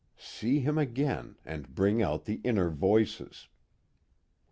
_See him again; and bring out the inner voices.